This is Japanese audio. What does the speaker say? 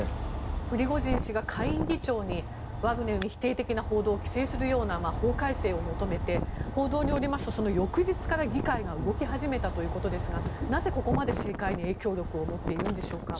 プリゴジン氏が下院議長にワグネルに否定的な報道を規制するような法改正を求めて報道によりますとその翌日から議会が動き始めたということですがなぜここまで政界に影響力を持っているんでしょうか。